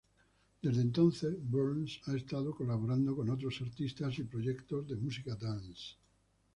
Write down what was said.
Desde entonces, Burns ha estado colaborando con otros artistas y proyectos de música dance.